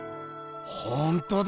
ほんとだ！